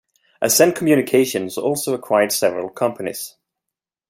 Ascend Communications also acquired several companies.